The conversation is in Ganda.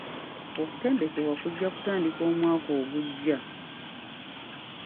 Okutendekebwa kujja kutandika omwaka ogujja.